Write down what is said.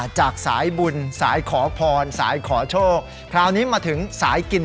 จากสายบุญสายขอพรสายขอโชคคราวนี้มาถึงสายกิน